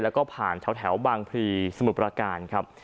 แล้วก็ผ่านแถวบางพลีสมุทรประการครับ